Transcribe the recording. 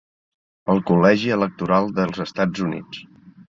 "El Col·legi Electoral dels Estats Units".